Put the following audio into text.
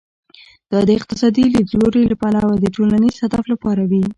دا د اقتصادي لیدلوري له پلوه د ټولنیز هدف لپاره وي.